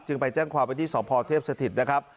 จึงไปแจ้งความเป็นที่สองพอเทียบสถิตนะครับ